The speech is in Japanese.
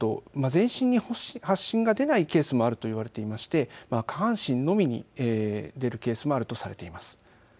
全身に発疹が出ないケースもあるといわれていまして下半身にのみ出るケースもあるとされています。